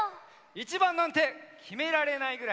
いちばんなんてきめられないぐらいね！